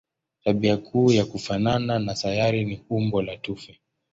Tabia kuu ya kufanana na sayari ni umbo la tufe.